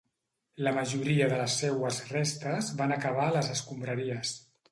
La majoria de les seues restes van acabar a les escombraries.